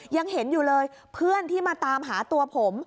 ยังเห็นอยู่เลยเพื่อนที่มาตามหาตัวผม